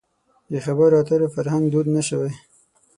خبرو اترو فرهنګ دود نه شوی.